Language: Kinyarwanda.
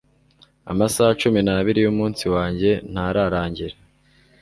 Amasaha cumi n'abiri y'umunsi wanjye ntararangira.